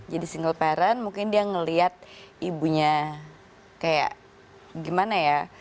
jadi single parent mungkin dia ngeliat ibunya kayak gimana ya